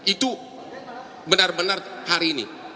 itu benar benar hari ini